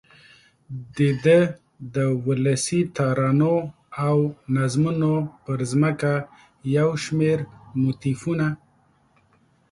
دده د ولسي ترانو او نظمونو پر ځمکه یو شمېر موتیفونه